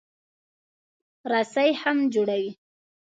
رسۍ هم جوړوي.